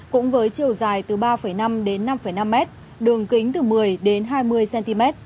cũng với chiều dài từ ba năm đến năm năm m đường kính từ một mươi đến hai mươi cm